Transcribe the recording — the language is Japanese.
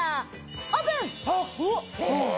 オープン！え！